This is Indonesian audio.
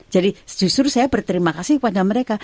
jadi justru saya berterima kasih kepada mereka